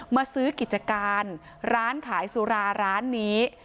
มาซื้อกิจการร้านขายสุราร้านนี้